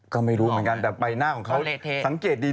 ก็ไม่รู้เหมือนกันแต่ใบหน้าของเขาสังเกตดี